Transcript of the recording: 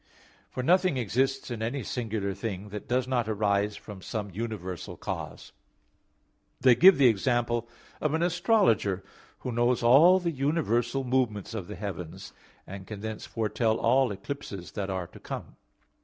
For nothing exists in any singular thing, that does not arise from some universal cause. They give the example of an astrologer who knows all the universal movements of the heavens, and can thence foretell all eclipses that are to come.